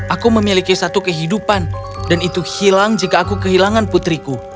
aku memiliki satu kehidupan dan itu hilang jika aku kehilangan putriku